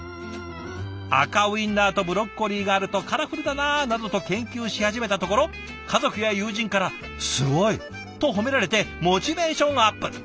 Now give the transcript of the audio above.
「赤ウインナーとブロッコリーがあるとカラフルだな」などと研究し始めたところ家族や友人から「すごい！」と褒められてモチベーションアップ。